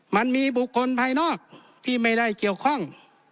มันมีบุคคลภายนอกที่ไม่ได้เกี่ยวข้อง